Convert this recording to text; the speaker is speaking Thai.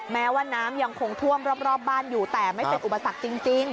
แม้ว่าน้ำยังคงท่วมรอบบ้านอยู่แต่ไม่เป็นอุปสรรคจริง